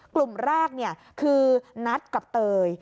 กลุ่มแรกคือนัทกับเตย